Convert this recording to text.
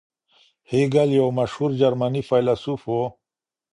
هیګل یو مشهور جرمني فیلسوف و.